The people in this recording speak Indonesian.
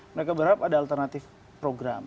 mereka berharap ada alternatif program